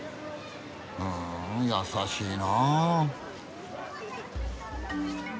うん優しいなあ。